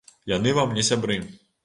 Яны вам не сябры.